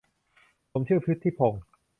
ผมชื่อพุฒิพงศ์